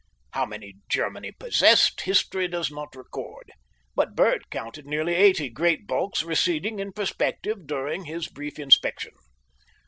How many Germany possessed history does not record, but Bert counted nearly eighty great bulks receding in perspective during his brief inspection.